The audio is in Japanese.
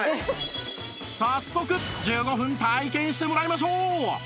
早速１５分体験してもらいましょう